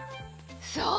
そう！